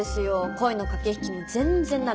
恋の駆け引きも全然駄目。